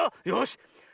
よし。